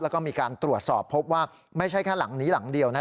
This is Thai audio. แล้วก็มีการตรวจสอบพบว่าไม่ใช่แค่หลังนี้หลังเดียวนะ